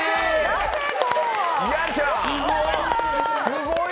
すごーい！